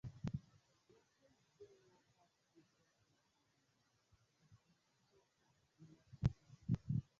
La plej bela parto estas la enireja parto en mezo de la fasado.